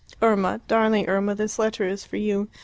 "Irma, darling Irma, this letter is for you.